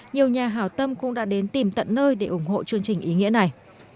nhiều nhà hào tâm cũng đã đến tìm tận nơi để ủng hộ chương trình ý nghĩa này